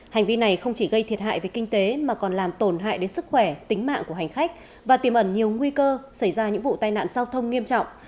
hành vi này không chỉ gây thiệt hại về kinh tế mà còn làm tổn hại đến sức khỏe tính mạng của hành khách và tiềm ẩn nhiều nguy cơ xảy ra những vụ tai nạn giao thông nghiêm trọng